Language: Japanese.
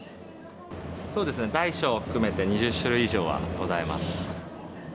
そうですね、大小含めて２０種類以上はございます。